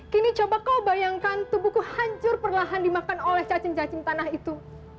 kini coba kau bayangkan tubuhku hancur perlahan dimakan oleh cacing cacing tanah itu